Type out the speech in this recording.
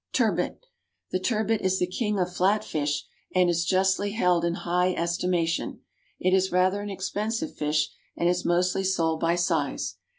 =Turbot.= The turbot is the king of flat fish, and is justly held in high estimation. It is rather an expensive fish, and is mostly sold by size.